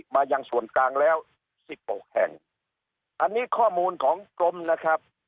มายังส่วนกลางแล้วสิบหกแห่งอันนี้ข้อมูลของกรมนะครับ